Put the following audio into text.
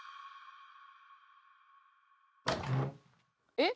「えっ？」